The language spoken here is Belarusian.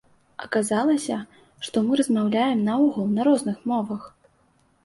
Аказалася, што мы размаўляем наогул на розных мовах.